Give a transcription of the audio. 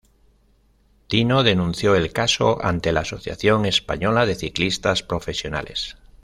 Tino denunció el caso ante la Asociación Española de Ciclistas Profesionales.